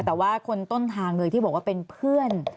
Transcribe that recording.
แต่ว่าคนต้นทางเลยที่บอกว่าเป็นเพื่อน